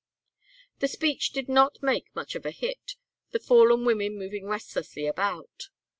The speech did not make much of a hit, the fallen women moving restlessly about.